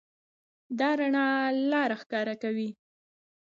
دا رڼا لاره ښکاره کوي.